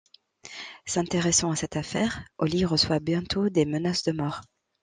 S'intéressant à cette affaire, Holly reçoit bientôt des menaces de mort…